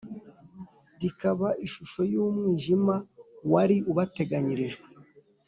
rikaba ishusho y’umwijima wari ubateganyirijwe,